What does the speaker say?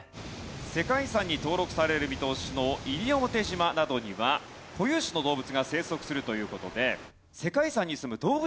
世界遺産に登録される見通しの西表島などには固有種の動物が生息するという事で。